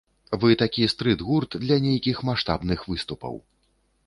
Вы такі стрыт-гурт, для нейкіх маштабных выступаў.